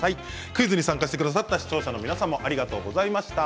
クイズに参加してくださった視聴者の皆様ありがとうございました。